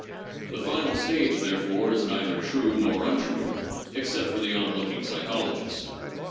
The final stage, therefore, is neither true nor untrue, except for the onlooking psychologist.